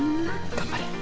頑張れ。